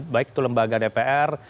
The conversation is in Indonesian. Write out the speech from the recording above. baik itu lembaga dpr